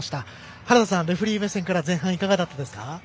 原田さん、レフリー目線から前半はいかがでしたか？